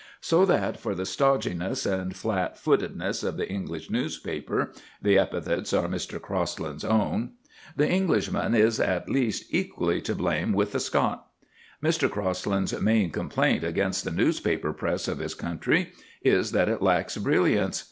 So that for the stodginess and flat footedness of the English newspaper the epithets are Mr. Crosland's own the Englishman is at least equally to blame with the Scot. Mr. Crosland's main complaint against the newspaper press of his country is that it lacks brilliance.